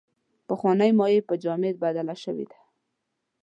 پخوانۍ مایع په جامد بدله شوې ده.